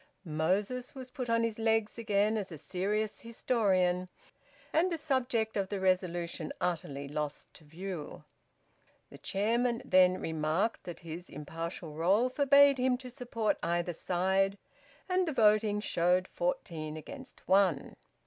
Moses was put on his legs again as a serious historian, and the subject of the resolution utterly lost to view. The Chairman then remarked that his impartial role forbade him to support either side, and the voting showed fourteen against one.